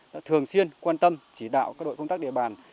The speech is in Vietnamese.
đã thường xuyên quan tâm chỉ đạo các đội công tác địa bàn